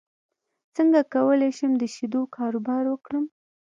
څنګه کولی شم د شیدو کاروبار وکړم